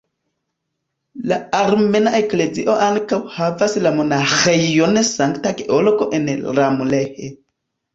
La Armena Eklezio ankaŭ havas la monaĥejon Sankta Georgo en Ramleh.